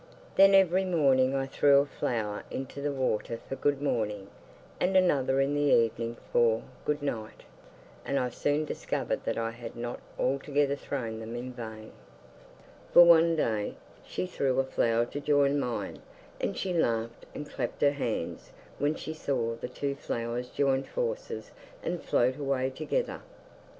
Then every morning I threw a flower into the water for 'good morning', and another in the evening for 'goodnight', and I soon discovered that I had not altogether thrown them in vain, for one day she threw a flower to join mine, and she laughed and clapped her hands when she saw the two flowers join forces and float away together.